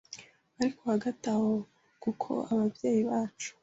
ariko hagati aho kuko ababyeyi bacu